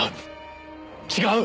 違う。